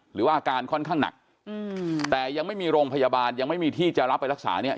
หรือว่าอาการค่อนข้างหนักอืมแต่ยังไม่มีโรงพยาบาลยังไม่มีที่จะรับไปรักษาเนี่ย